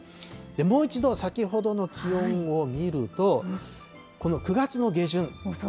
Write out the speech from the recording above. もう一度、先ほどの気温を見ると、この９月の下旬。